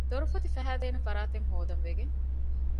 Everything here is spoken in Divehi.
ދޮރުފޮތި ފަހައިދޭނެ ފަރާތެއް ހޯދަން ވެގެން